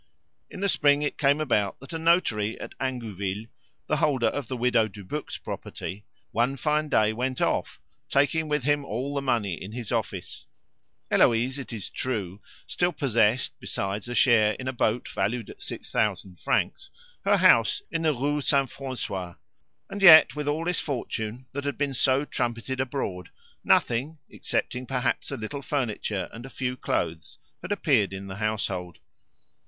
In the spring it came about that a notary at Ingouville, the holder of the widow Dubuc's property, one fine day went off, taking with him all the money in his office. Heloise, it is true, still possessed, besides a share in a boat valued at six thousand francs, her house in the Rue St. Francois; and yet, with all this fortune that had been so trumpeted abroad, nothing, excepting perhaps a little furniture and a few clothes, had appeared in the household.